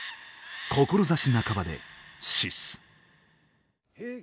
志半ばで死す。